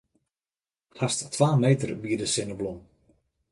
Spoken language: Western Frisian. Hast twa meter wie de sinneblom.